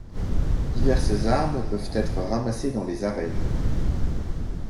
Diverses armes peuvent être ramassées dans les arènes.